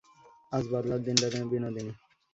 আজ বাদলার দিনটাতে- বিনোদিনী।